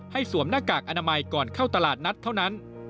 สวมหน้ากากอนามัยก่อนเข้าตลาดนัดเท่านั้น